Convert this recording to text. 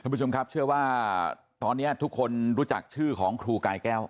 ผู้ชมครับเชื่อว่าตอนนี้ทุกคนรู้จักชื่อของครูกายแก้ว